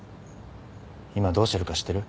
今どうしてるか知ってる？